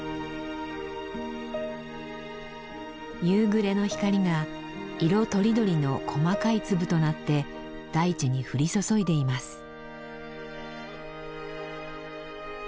夕暮れの光が色とりどりの細かい粒となって大地に降り注いでいます。